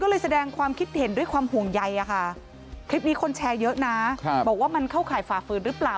แล้วอย่างเนี่ยมันเสี่ยงนะ